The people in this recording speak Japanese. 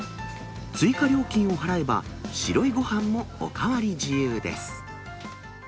追加料金を払えば、白いごはんもお代わり自由です。